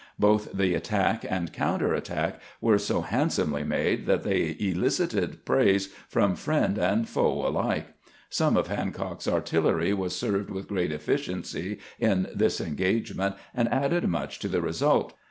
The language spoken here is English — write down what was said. Both the attack and counter attack were so handsomely made that they elicited praise from friend and foe alike. Some of Hancock's artillery was served with great efficiency in this engage ment, and added much to the result.